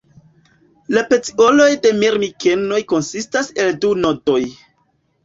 La pecioloj de Mirmikenoj konsistas el du nodoj.